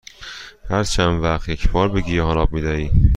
هر چند وقت یک بار به گیاهان آب می دهی؟